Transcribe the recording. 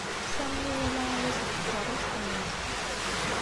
Sami iwala aya seg tkeṛṛust-nnes.